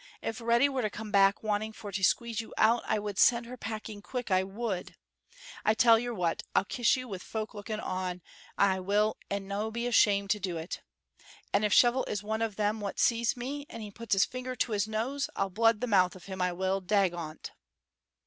If Reddy were to come back wanting for to squeeze you out, I would send her packing quick, I would. I tell yer what, I'll kiss you with folk looking on, I will, and no be ashamed to do it, and if Shovel is one of them what sees me, and he puts his finger to his nose, I'll blood the mouth of him, I will, dagont!"